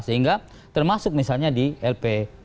sehingga termasuk misalnya di lp